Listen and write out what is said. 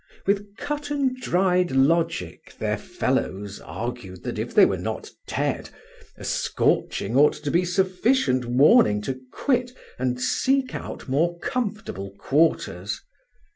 With cut and dried logic their fellows argued that if they were not dead, a scorching ought to be sufficient warning to quit and seek out more comfortable quarters.